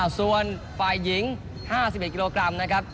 ส่วนฝ่ายหญิง๕๑กิโลกรัมนะครับ